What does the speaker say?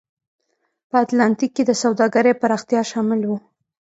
په اتلانتیک کې د سوداګرۍ پراختیا شامل و.